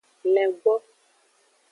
Lengbo.